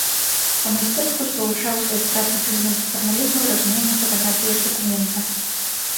Па-майстэрску спалучаў у сваіх працах элементы фармалізму і разуменне фатаграфіі як дакумента.